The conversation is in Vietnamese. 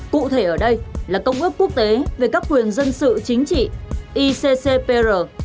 cụ thể ở đây là công ước quốc tế về các quyền dân sự chính trị iccpr